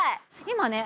今ね